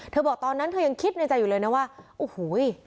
บอกตอนนั้นเธอยังคิดในใจอยู่เลยนะว่าโอ้โห